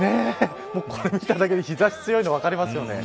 これを見ただけで日差し強いの分かりますね。